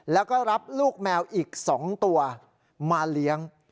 แล้วก็รับลูกแมวอีก๒ตัวมาเลี้ยง